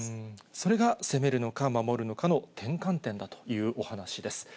それが、攻めるのか、守るかの転換点だというお話です。